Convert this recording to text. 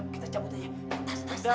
kita cabut aja atas atas atas